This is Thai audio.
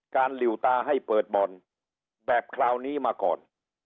หลิวตาให้เปิดบ่อนแบบคราวนี้มาก่อน